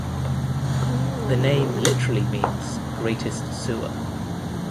The name literally means "Greatest Sewer".